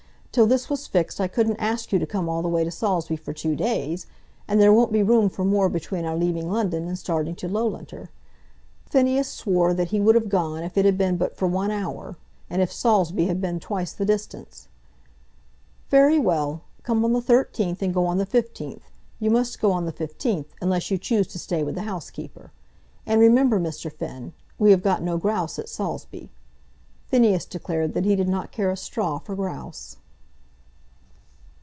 Till this was fixed I couldn't ask you to come all the way to Saulsby for two days; and there won't be room for more between our leaving London and starting to Loughlinter." Phineas swore that he would have gone if it had been but for one hour, and if Saulsby had been twice the distance. "Very well; come on the 13th and go on the 15th. You must go on the 15th, unless you choose to stay with the housekeeper. And remember, Mr. Finn, we have got no grouse at Saulsby." Phineas declared that he did not care a straw for grouse.